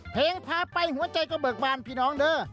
เพลงพาไปหัวใจก็เบิกบานพี่น้องเด้อ